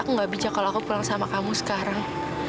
aku gak bijak kalo aku pulang sama kamu sekarang